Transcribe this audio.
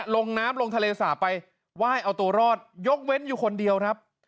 ลงน้ำลงทะเลสาปไปไหว้เอาตัวรอดยกเว้นอยู่คนเดียวครับ